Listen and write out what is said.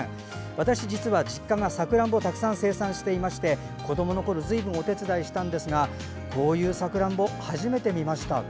私、実は実家がさくらんぼをたくさん生産していて子どものころからずいぶんお手伝いしたんですがこういうさくらんぼ初めて見ました。